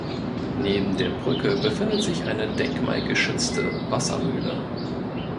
Neben der Brücke befindet sich eine denkmalgeschützte Wassermühle.